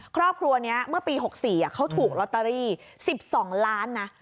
ครอบครัวนี้เมื่อปี๖๔เขาถูกลอตเตอรี่๑๒ล้านนะ